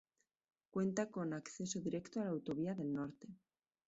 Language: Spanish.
Cuenta con acceso directo a la Autovía del Norte.